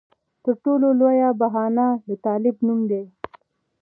تر ټولو لویه بهانه د طالب نوم دی.